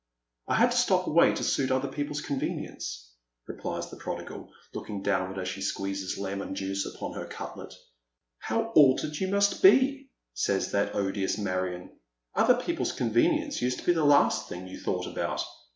"I had to stop away to suit other people's convenience,'* replies the prodigal, looking downward as she squeezes lemon juice upon her cutlet. " How altered you must be I " says that odious Marion. " Other people's convenience used to be the last thing you thought about.